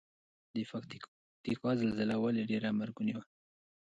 د پکتیکا زلزله ولې ډیره مرګونې وه؟